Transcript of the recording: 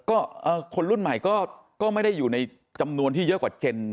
ก็คนรุ่นใหม่ก็ไม่ได้อยู่ในจำนวนที่เยอะกว่าเจน